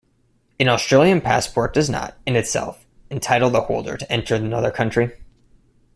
An Australian passport does not, in itself, entitle the holder to enter another country.